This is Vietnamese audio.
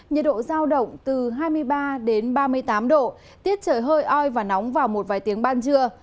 nhiệt độ giao động từ hai mươi ba đến ba mươi tám độ tiết trời hơi oi và nóng vào một vài tiếng ban trưa